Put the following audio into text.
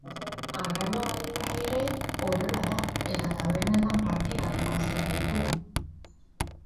Arraroa badirudi ere horrela da eta tabernetan partidak ikusten ditugu.